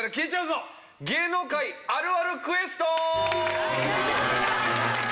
「芸能界あるあるクエスト」！